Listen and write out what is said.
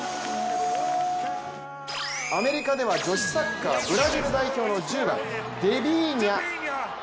アメリカでは女子サッカーブラジル代表の１０番、デビーニャ。